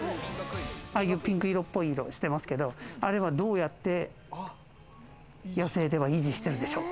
ああいうピンク色っぽい色してますけど、あれはどうやって野生では維持しているでしょうか？